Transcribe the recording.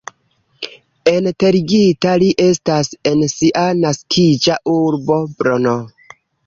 Enterigita li estas en sia naskiĝa urbo Brno.